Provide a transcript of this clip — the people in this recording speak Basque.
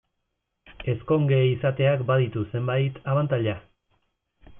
Ezkonge izateak baditu zenbait abantaila.